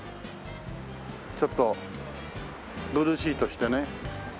ちょっとブルーシートしてね。